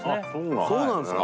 そうなんですか。